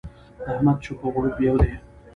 د احمد چپ و غړوپ يو دی.